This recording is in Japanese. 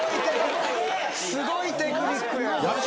すごいテクニック・すげえ！